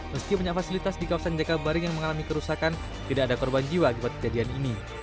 meski banyak fasilitas di kawasan jakabaring yang mengalami kerusakan tidak ada korban jiwa akibat kejadian ini